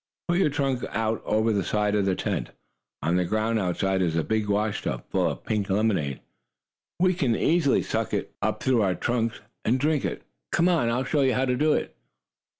Put your trunk out over the side of the tent. On the ground outside is a big washtub, full of pink lemonade. We can easily suck it up through our trunks and drink it. Come on, I'll show you how to do it."